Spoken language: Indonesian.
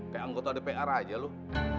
kayak anggota dpr aja loh